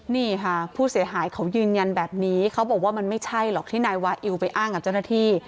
นี่ค่ะผู้เสียหายเขายืนยันแบบนี้เขาบอกว่ามันไม่ใช่หรอกที่นายวาอิวไปอ้างกับเจ้าหน้าที่